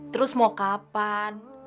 terus mau kapan